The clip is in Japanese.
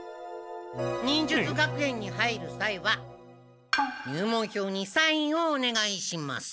忍術学園に入るさいは入門票にサインをおねがいします。